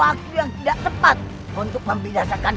apa yang akan kamu lakukan